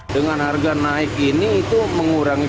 dengan harga naik ini itu mengurangi